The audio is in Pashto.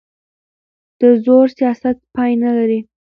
د زور سیاست پای نه لري